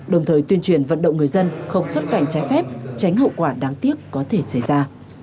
đồng thời tuyên truyền vận động người dân không xuất cảnh trái phép tránh hậu quả đáng tiếc có thể xảy ra